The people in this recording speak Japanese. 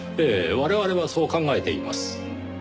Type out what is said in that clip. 我々はそう考えています。